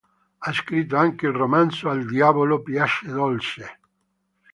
Ha scritto anche il romanzo Al diavolo piace dolce.